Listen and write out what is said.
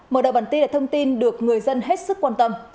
mở đầu bản tin là thông tin được người dân hết sức quan tâm